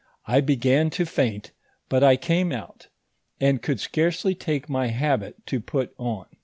I began to faint, but I came out, and could scarcely take my habit to put on.